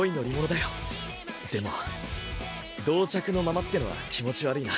でも同着のままってのは気持ち悪いな。